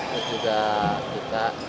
dan juga kita